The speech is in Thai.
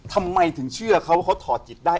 ทำไมถึงเชื่อเขาว่าเขาถอดจิตได้